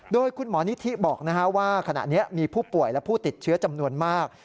โดยคุณหมอนิธิบอกว่าขณะนี้มีผู้ป่วยและผู้ติดเชื้อจำนวนมาก